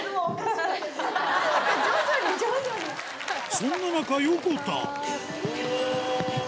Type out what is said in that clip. そんな中横田おぉ！